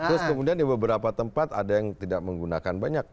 terus kemudian di beberapa tempat ada yang tidak menggunakan banyak